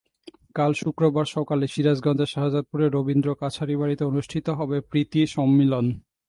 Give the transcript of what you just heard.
কাল শুক্রবার সকালে সিরাজগঞ্জের শাহজাদপুরে রবীন্দ্র কাছারিবাড়িতে অনুষ্ঠিত হবে প্রীতি সম্মিলন।